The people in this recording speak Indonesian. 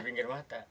di pinggir mata